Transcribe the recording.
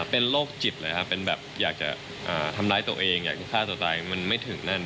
เป็นโรคจิตเลยครับเป็นแบบอยากจะทำร้ายตัวเองอยากฆ่าตัวตายมันไม่ถึงนั่น